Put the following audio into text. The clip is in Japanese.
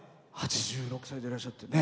８６歳でいらっしゃって。